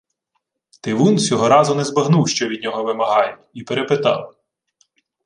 Тивун сього разу не збагнув, що від нього вимагають, і перепитав: